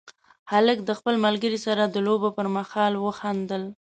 هلک د خپل ملګري سره د لوبو پر مهال وخندل.